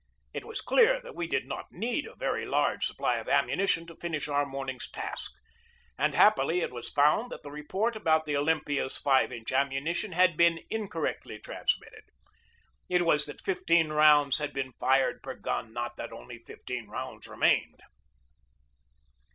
It was clear that we did not need a very large supply of ammunition to finish our morn ing's task; and happily it was found that the report about the Olympias 5 inch ammunition had been incorrectly transmitted. It was that fifteen rounds had been fired per gun, not that only fifteen rounds remained.